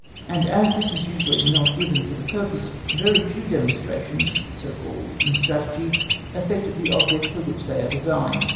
And as this is usually not given for the purpose, very few demonstrations, so called, in Strategy, effect the object for which they are designed.